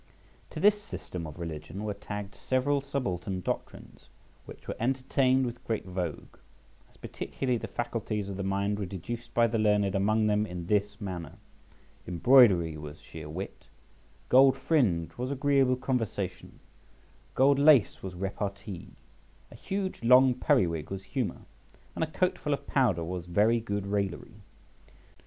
To this system of religion were tagged several subaltern doctrines, which were entertained with great vogue; as particularly the faculties of the mind were deduced by the learned among them in this manner: embroidery was sheer wit, gold fringe was agreeable conversation, gold lace was repartee, a huge long periwig was humour, and a coat full of powder was very good raillery.